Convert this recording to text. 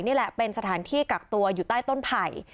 นี่แหละเป็นสถานที่กักตัวอยู่ใต้ต้นไผ่